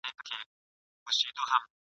آیا پښتانه په عذاب سوي ول؟